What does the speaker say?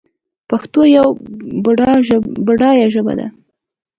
پښتو یوه بډایه ژبه ده